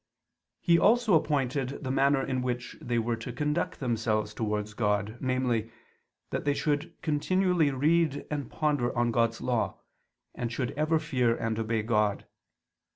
He also appointed the manner in which they were to conduct themselves towards God: namely, that they should continually read and ponder on God's Law, and should ever fear and obey God.